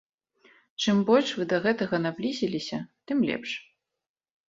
Чым больш вы да гэтага наблізіліся, тым лепш.